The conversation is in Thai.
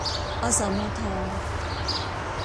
อสมท